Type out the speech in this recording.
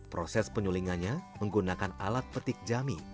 proses penyulingannya menggunakan alat petik jami